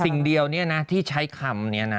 สิ่งเดียวที่ใช้คำนี้นะ